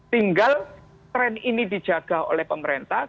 tinggal tren ini dijaga oleh pemerintah